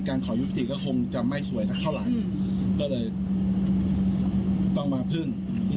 ก็คงต้องมาหามาแจ้งความานี้